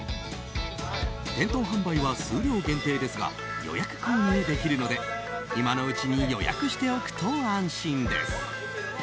店頭販売は数量限定ですが予約購入できるので今のうちに予約しておくと安心です。